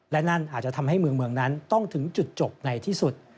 และนั่นอาจจะทำให้เมืองนั้นต้องถึงจุดจบในที่สุด